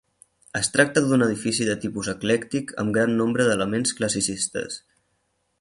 Es tracta d'un edifici de tipus eclèctic amb gran nombre d'elements classicistes.